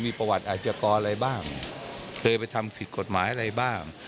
มีประวัติอาชกรอะไรบ้างเคยไปทำผิดกฎหมายอะไรบ้าง